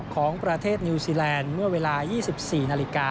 ของประเทศนิวซีแลนด์เมื่อเวลา๒๔นาฬิกา